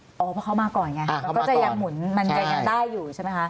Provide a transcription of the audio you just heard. เพราะเขามาก่อนไงมันก็จะยังหมุนมันจะยังได้อยู่ใช่ไหมคะ